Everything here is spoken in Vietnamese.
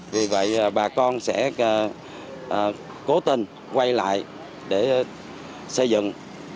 vì vậy bà con sẽ cố tình quay lại để xây dựng